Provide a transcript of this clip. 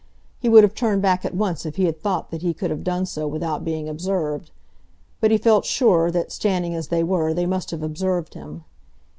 He would have turned back at once if he had thought that he could have done so without being observed; but he felt sure that, standing as they were, they must have observed him.